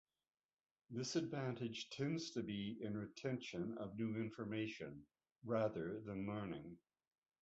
This advantage tends to be in retention of new information rather than learning.